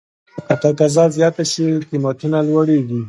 که تقاضا زیاته شي، قیمتونه لوړېږي.